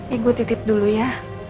eh gua titip dulu ya